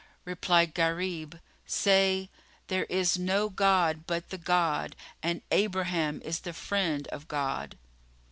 Replied Gharib, "Say:—There is no god but the God, and Abraham is the Friend of God!"